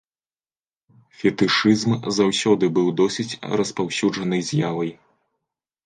Фетышызм заўсёды быў досыць распаўсюджанай з'явай.